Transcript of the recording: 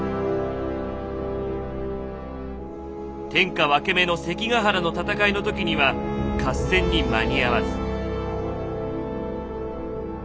天下分け目の関ヶ原の戦いの時には合戦に間に合わず。